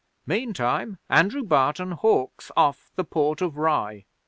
Meantime Andrew Barton hawks off the Port of Rye.